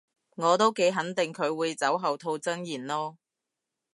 我都幾肯定佢會酒後吐真言囉